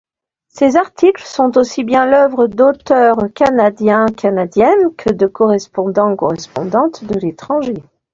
Ces articles sont aussi bien l'œuvre d'auteur-e-s canadien-ne-s que de correspondant-e-s de l'étranger.